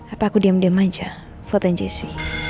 apa aku diem diem aja fotonya jessy